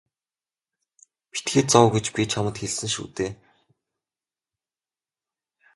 Битгий зов гэж би чамд хэлсэн шүү дээ.